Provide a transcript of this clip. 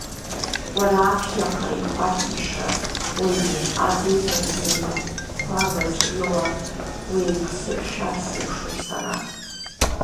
Уара аԥхьаҟа ихәарҭахаша уаҩуп азыҳәан, иумақәамыз рыла уеиқәсыршәар сылшон сара…